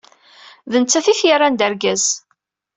D nettat ay t-yerran d argaz.